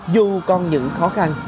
dù còn những khó khăn